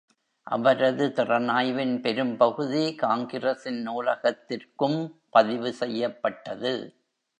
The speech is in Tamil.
அவரது திறனாய்வின் பெரும்பகுதி காங்கிரஸின் நூலகத்திற்கும் பதிவு செய்யப்பட்டது.